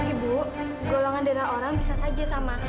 ibu golongan darah orang bisa saja sama